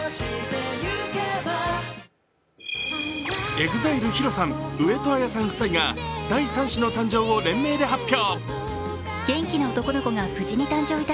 ＥＸＩＬＥ・ＨＩＲＯさん、上戸彩さん夫妻が第３子の誕生を連盟で発表。